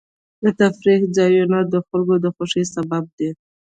د تفریح ځایونه د خلکو د خوښۍ سبب دي.